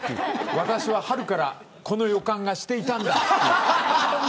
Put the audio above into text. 私は春からこの予感がしていたんだと。